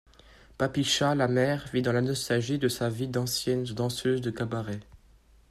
Papicha, la mère, vit dans la nostalgie de sa vie d'ancienne danseuse de cabaret.